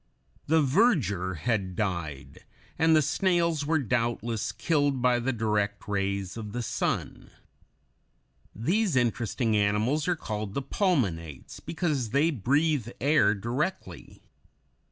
The verdure had died, and the snails were doubtless killed by the direct rays of the sun. These interesting animals are called pulmonates because they breathe air directly.